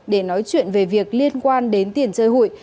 để nói chuyện về việc liên quan đến tiền chơi hụi